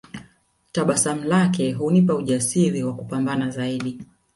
Tabasamu lake hunipa ujasiri wa kupambana zaidi